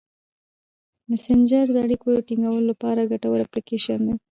مسېنجر د اړیکو ټینګولو لپاره ګټور اپلیکیشن دی.